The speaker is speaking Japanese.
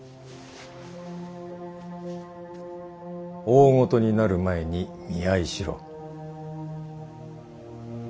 大ごとになる前に見合いしろ。